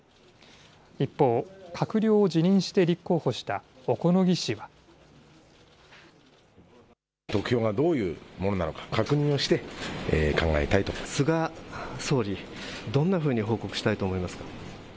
一方、閣僚を辞任して立候補した得票がどういうものなのか菅総理どんなふうに報告したいと思いますか。